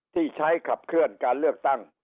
ที่ใช้ขับเคลื่อนการเลือกตั้ง